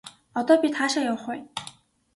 Одоо бид хаашаа явах вэ?